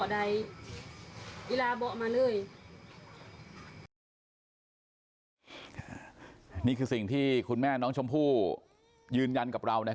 นั่งนั่งนั่งนั่งนั่งนั่งนั่งนั่งนั่งนั่งนั่งนั่งนั่งนั่งนั่ง